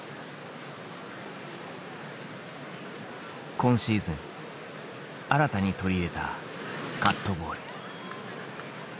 今シーズン新たに取り入れたカットボール。